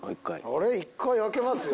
１回空けますよ